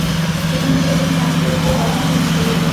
সেখানে গিয়ে শুধু সাইন করে দিয়েই বাবা মাকে নিয়ে চলে এলেন।